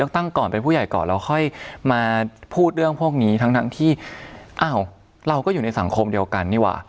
ทั้งที่อ้าวเราก็อยู่ในสังคมเดียวกันนี่วะ